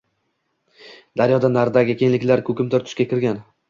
Daryodan naridagi kengliklar koʻkimtir tusga kirgan.